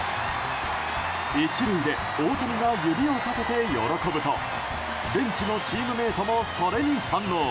１塁で大谷が指を立てて喜ぶとベンチのチームメートもそれに反応。